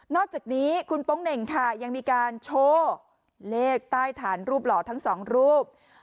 อกจากนี้คุณโป๊งเหน่งค่ะยังมีการโชว์เลขใต้ฐานรูปหล่อทั้งสองรูป